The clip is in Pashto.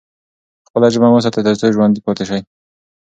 خپله ژبه مو وساتئ ترڅو ژوندي پاتې شئ.